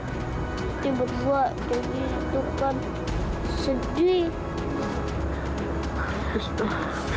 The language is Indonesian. tapi berbuat jadi itu kan sedih